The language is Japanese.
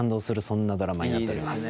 そんなドラマになっております。